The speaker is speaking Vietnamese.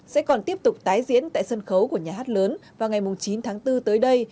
sẽ còn tiếp tục tái diễn tại sân khấu của nhà hát lớn vào ngày chín tháng bốn tới đây